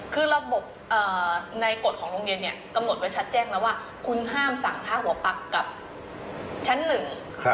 คือระบบในกฎของโรงเรียนเนี่ยกำหนดไว้ชัดแจ้งแล้วว่าคุณห้ามสั่งผ้าหัวปั๊กกับชั้นหนึ่ง